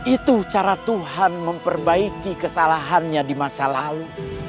itu cara tuhan memperbaiki kesalahannya di masa lalu